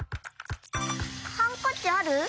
ハンカチある？